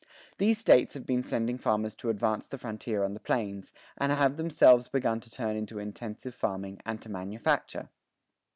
These States have been sending farmers to advance the frontier on the plains, and have themselves begun to turn to intensive farming and to manufacture.